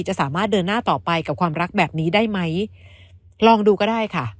จะสามารถเดินหน้าต่อไปกับความรักแบบนี้ได้ไหมลองดูก็ได้ค่ะ